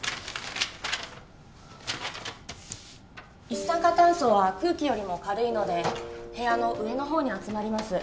一酸化炭素は空気よりも軽いので部屋の上の方に集まります。